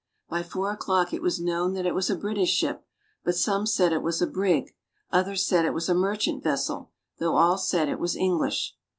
By four o'clock it was known that it was a British ship, but some said it was a brig; others said it was a merchant vessel, though all said it was English.